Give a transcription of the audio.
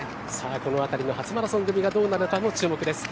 この辺りの初マラソン組がどうなるかも注目です。